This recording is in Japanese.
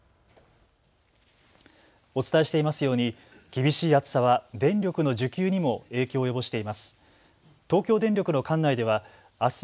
お伝えしていますように厳しい暑さは電力の需給にも影響を及ぼしています。